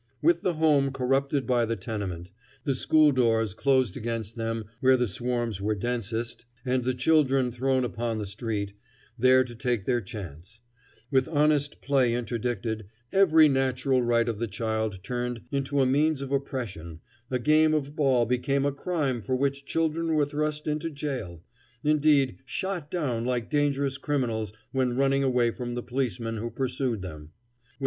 With the home corrupted by the tenement; the school doors closed against them where the swarms were densest, and the children thrown upon the street, there to take their chance; with honest play interdicted, every natural right of the child turned into a means of oppression, a game of ball become a crime for which children were thrust into jail, indeed, shot down like dangerous criminals when running away from the policeman who pursued them;[Footnote: Such a case occurred on Thanksgiving Day, 1897.